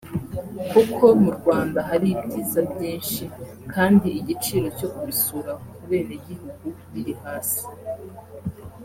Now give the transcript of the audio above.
kuko mu Rwanda hari ibyiza byinshi kandi igiciro cyo kubisura ku benegihugu biri hasi